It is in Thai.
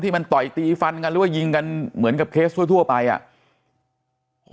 มันต่อยตีฟันกันหรือว่ายิงกันเหมือนกับเคสทั่วไปอ่ะ